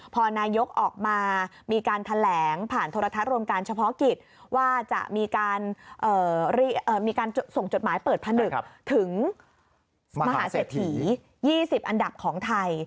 พอนายกออกมามีการแถลงผ่านโทรทัศน์รวมการเฉพาะกิจว่าจะมีการส่งจดหมายเปิดผนึกถึงมหาเศรษฐี๒๐อันดับของไทย